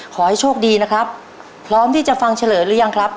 ขอให้โชคดีนะครับพร้อมที่จะฟังเฉลยหรือยังครับ